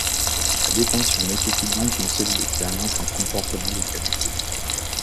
Sa détention nécessite donc une solide expérience en comportement des canidés.